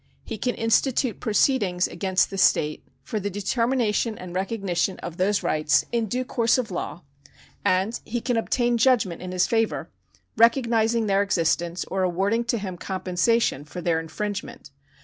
He can institute proceedings against the state for the determination and recognition of those rights in due course of law, and he can obtain judgment in his favour, recognising their existence or awarding to him compensation for their infringement.